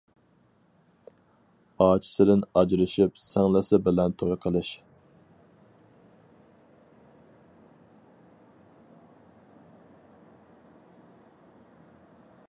ئاچىسىدىن ئاجرىشىپ، سىڭلىسى بىلەن توي قىلىش!